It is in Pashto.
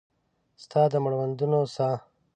ستا د مړوندونو ساه